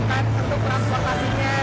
bantu siapkan oleh olehnya